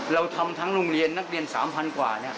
เราทำทั้งโรงเรียนนักเรียน๓๐๐กว่า